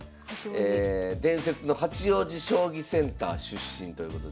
伝説の八王子将棋センター出身ということで。